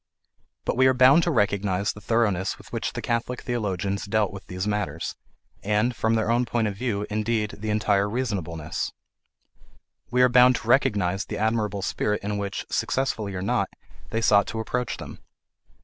But we are bound to recognize the thoroughness with which the Catholic theologians dealt with these matters, and, from their own point of view, indeed, the entire reasonableness; we are bound to recognize the admirable spirit in which, successfully or not, they sought to approach them.